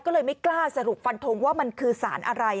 ก็เลยไม่กล้าสรุปฟันทงว่ามันคือสารอะไร